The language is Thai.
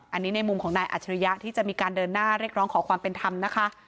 อันนี้ในมุมของนายอัจฉริยะที่จะมีการเดินหน้าเรียกร้องขอความเป็นธรรมนะคะ